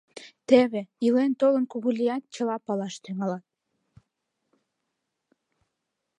Теве, илен-толын, кугу лият, чыла палаш, тӱҥалат.